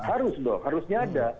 harus dong harusnya ada